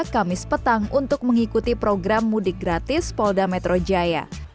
kamis petang untuk mengikuti program mudik gratis polda metro jaya